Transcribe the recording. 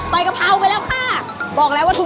โทษละพาหรือเปล่าพ่อครับผม